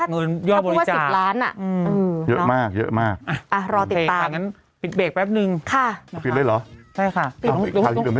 เงินเยาะบริจาคเยอะมากรอติดตามละ